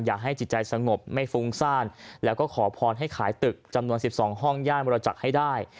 อย่าให้จิตใจสงบไม่ฟุ้งซ่านแล้วก็ขอพรให้ขายตึกจำนวน๑๒ห้องย่านมรจักษ์ให้ได้